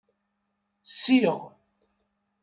Siɣ.